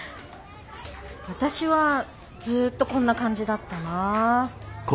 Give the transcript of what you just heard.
私はずっとこんな感じだったな。